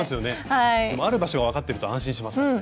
ある場所が分かってると安心しますよね。